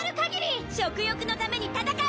食欲のために戦う！